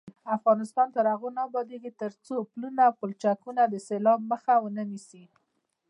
افغانستان تر هغو نه ابادیږي، ترڅو پلونه او پلچکونه د سیلاب مخه ونه نیسي.